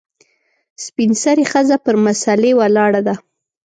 سپین سرې ښځه پر مسلې ولاړه ده .